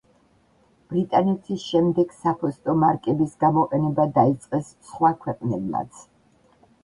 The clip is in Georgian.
ბრიტანეთის შემდეგ საფოსტო მარკების გამოყენება დაიწყეს სხვა ქვეყნებმაც.